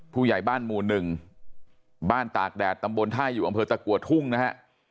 ผู้ใหญ่บ้านหมู่๑บ้านตากแดดตำบลเทศอยู่อเมิดตะกั่วทุ่งนะฮะ